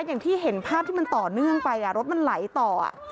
อย่างที่เห็นภาพที่มันต่อเนื่องไปรถมันไหลต่อ